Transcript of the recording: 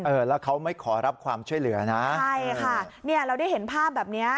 เออแล้วเขาไม่ขอรับความช่วยเหลือนะใช่ค่ะเนี่ยเราได้เห็นภาพแบบเนี้ย